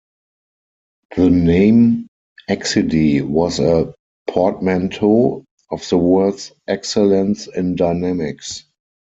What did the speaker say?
The name "Exidy" was a portmanteau of the words "Excellence in Dynamics.